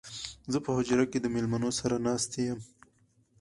زه په حجره کې د مېلمنو سره ناست يم